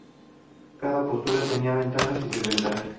Cada postura tenía ventajas y desventajas.